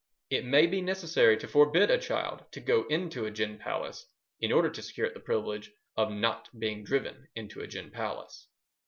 It may be necessary to forbid a child to go into a gin palace in order to secure it the privilege of not being driven into a gin palace.